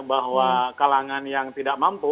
bahwa kalangan yang tidak mampu